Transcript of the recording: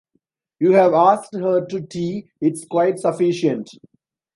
You’ve asked her to tea; it’s quite sufficient.